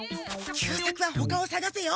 久作はほかをさがせよ！